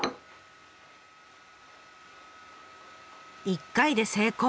一回で成功。